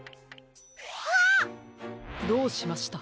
どうしました？